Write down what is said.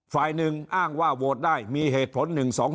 ฝ่ายหนึ่งอ้างว่าโหวตได้มีเหตุผล๑๒๒